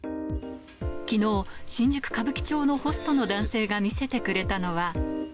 きのう、新宿・歌舞伎町のホストの男性が見せてくれたのは。